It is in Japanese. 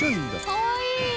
かわいい！